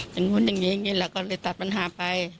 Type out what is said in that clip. เป็นหุ้นอย่างนี้อย่างนี้แหละก็เลยตัดปัญหาไป